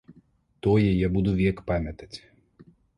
Тое я буду век памятаць.